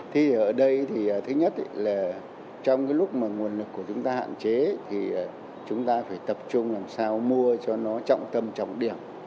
thì ở đây thì thứ nhất là trong cái lúc mà nguồn lực của chúng ta hạn chế thì chúng ta phải tập trung làm sao mua cho nó trọng tâm trọng điểm